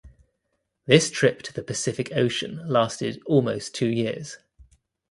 This trip to the Pacific Ocean lasted almost two years.